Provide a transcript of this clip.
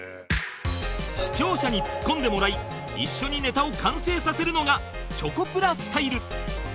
視聴者にツッコんでもらい一緒にネタを完成させるのがチョコプラスタイル